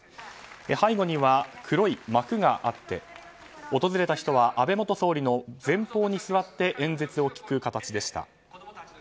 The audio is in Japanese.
背後には黒い幕があって訪れた人は安倍元総理の前方に座って演説を聞く形でした。